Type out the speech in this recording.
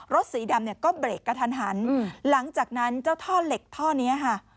สีดำเนี่ยก็เบรกกระทันหันหลังจากนั้นเจ้าท่อเหล็กท่อนี้ค่ะ